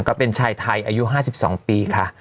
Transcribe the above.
ก็เป็นชายไทยอายุ๕๒ปีค่ะ